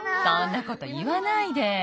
そんなこといわないで。